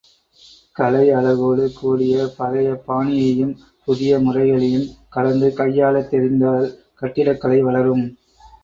கலை அழகோடு கூடிய பழைய பாணியையும் புதிய முறைகளையும் கலந்து கையாளத் தெரிந்தால் கட்டிடக் கலை வளரும்.